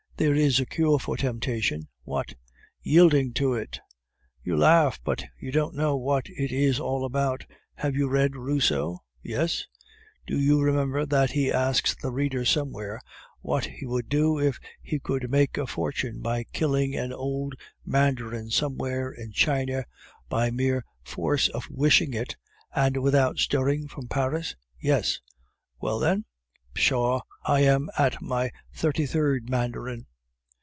There is a cure for temptation." "What?" "Yielding to it." "You laugh, but you don't know what it is all about. Have you read Rousseau?" "Yes." "Do you remember that he asks the reader somewhere what he would do if he could make a fortune by killing an old mandarin somewhere in China by mere force of wishing it, and without stirring from Paris?" "Yes." "Well, then?" "Pshaw! I am at my thirty third mandarin."